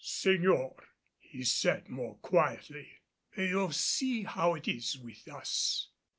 "Señor," he said more quietly, "you see how it is with us.